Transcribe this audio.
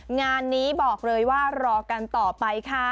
งานนี้บอกเลยว่ารอกันต่อไปค่ะ